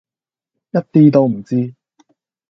一啲都唔知